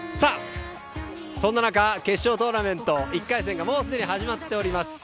そんな中決勝トーナメント１回戦がもうすでに始まっております。